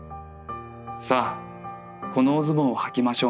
『さあこのおズボンをはきましょうね』